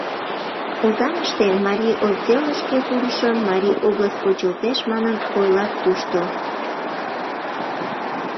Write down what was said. Озаҥыште Марий отделышке пурышым, Марий область почылтеш манын ойлат тушто.